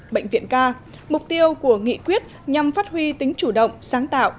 bệnh viện ca mục tiêu của nghị quyết nhằm phát huy tính chủ động sáng tạo